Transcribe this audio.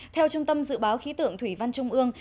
theo trung tâm dự báo khí tượng thủy văn trung ương